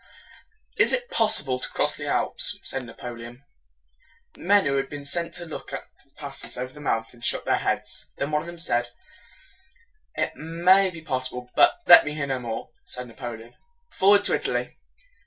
"Is it pos si ble to cross the Alps?" said Na po le on. The men who had been sent to look at the passes over the mountains shook their heads. Then one of them said, "It may be possible, but" "Let me hear no more," said Napoleon. "Forward to Italy!"